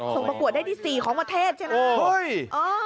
ประกวดได้ที่๔ของประเทศใช่ไหม